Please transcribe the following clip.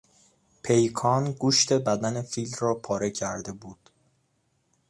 پیکان گوشت بدن فیل را پاره کرده بود.